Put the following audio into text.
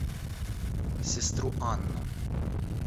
Сестру Анну.